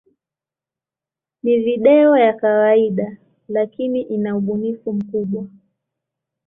Ni video ya kawaida, lakini ina ubunifu mkubwa.